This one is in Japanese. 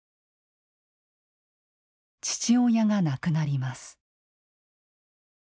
父親が亡くなります。